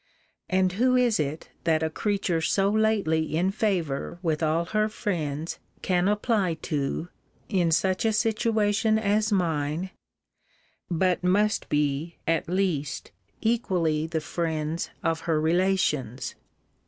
And who is it that a creature so lately in favour with all her friends can apply to, in such a situation as mine, but must be (at least) equally the friends of her relations.